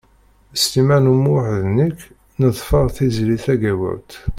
Sliman U Muḥ d nekk neḍfeṛ Tiziri Tagawawt.